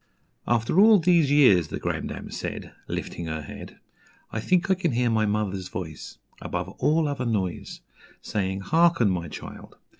'" "After all these years," the grandame said, Lifting her head, "I think I can hear my mother's voice Above all other noise, Saying, 'Hearken, my child!